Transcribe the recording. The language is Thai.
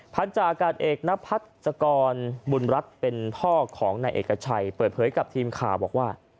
พันธาอากาศเอกนพัศกรบุญรัฐเป็นพ่อของนายเอกชัยเปิดเผยกับทีมข่าวบอกว่า